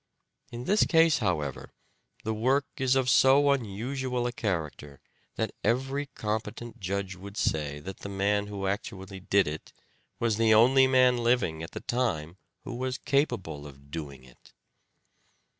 In this case, however, the work is of so unusual a character that every competent judge would say that the man who actually did it was the only man living at the time who was capable of doing it.